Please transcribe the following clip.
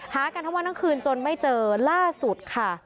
หากันเท่าวันทั้งคืนจนไม่เจอล่าสุด